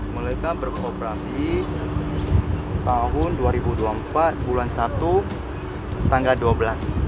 mereka beroperasi tahun dua ribu dua puluh empat bulan satu tanggal dua belas